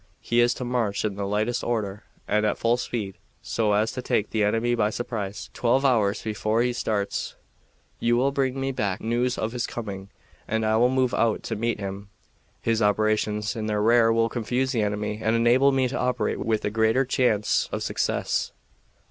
He is to march in the lightest order and at full speed, so as to take the enemy by surprise. Twelve hours before he starts you will bring me back news of his coming, and I will move out to meet him. His operations in their rear will confuse the enemy and enable me to operate with a greater chance of success.